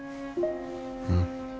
うん。